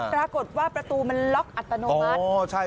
ปรากฏว่าประตูมันล็อกอัตโนมัติ